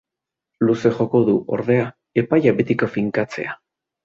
Luze joko du, ordea, epaia betiko finkatzea.